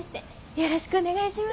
よろしくお願いします。